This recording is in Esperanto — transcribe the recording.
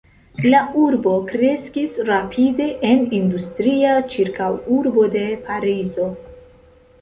La urbo kreskis rapide en industria ĉirkaŭurbo de Parizo.